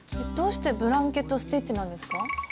どうしてブランケット・ステッチなんですか？